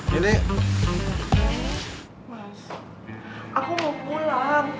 mas aku mau pulang